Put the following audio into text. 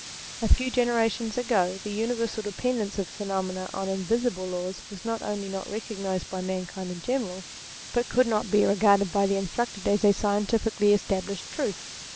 A few generations ago the universal dependence of phenomena on invariable laws was not only not recog nized by mankind in general but could not be regarded by the instructed as a scientifically established truth.